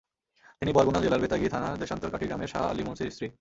তিনি বরগুনা জেলার বেতাগী থানার দেশান্তরকাটি গ্রামের শাহ আলী মুন্সির স্ত্রী।